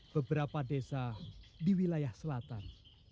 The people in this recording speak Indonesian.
beberapa desa di wilayah selatan